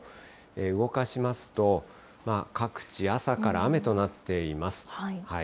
動かしますと、各地、朝から雨となっています。